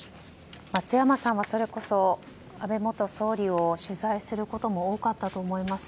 松山さんは、それこそ安倍元総理を取材することも多かったと思います。